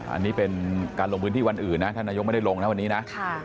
อันนี้เป็นการลงพื้นที่วันอื่นนะท่านนายกไม่ได้ลงนะวันนี้นะ